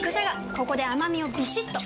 ここで甘みをビシッと！